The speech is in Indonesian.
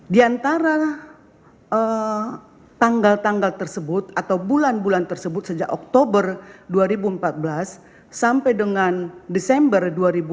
di antara tanggal tanggal tersebut atau bulan bulan tersebut sejak oktober dua ribu empat belas sampai dengan desember dua ribu delapan belas